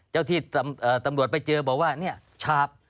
เจ้าที่ตำรวจไปเจอบอกว่าเนี่ยฉาบ